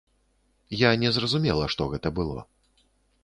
Я не зразумела, што гэта было.